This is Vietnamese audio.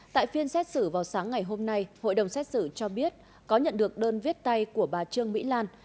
tại phiên xét xử vào sáng ngày hôm nay hội đồng xét xử cho biết có nhận được đơn viết tay của bà trương mỹ lan